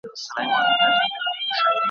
رياضي، هیئت، فقه، اصول فقه